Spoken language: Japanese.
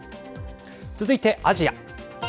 続いて、アジア。